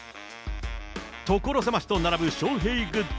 所狭しと並ぶ翔平グッズ。